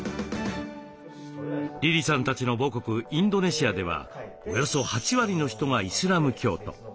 リリさんたちの母国インドネシアではおよそ８割の人がイスラム教徒。